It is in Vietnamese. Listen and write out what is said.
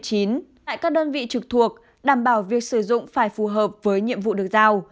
tại các đơn vị trực thuộc đảm bảo việc sử dụng phải phù hợp với nhiệm vụ được giao